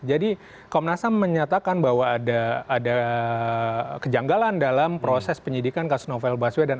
jadi komnasam menyatakan bahwa ada kejanggalan dalam proses penyidikan kasus novel baswedan